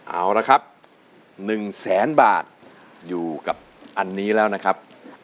เอาละครับ๑แสนบาทอยู่กับอันนี้แล้วนะครับ